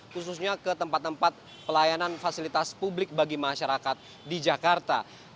khususnya ke tempat tempat pelayanan fasilitas publik bagi masyarakat di jakarta